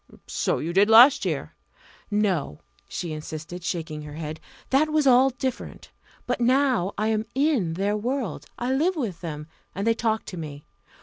"So you did last year." "No!" she insisted, shaking her head "that was all different. But now I am in their world I live with them and they talk to me.